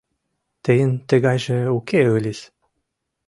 Тыйын тыгайже уке ыльыс.